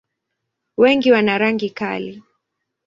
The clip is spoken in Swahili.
Wengi wana rangi kali.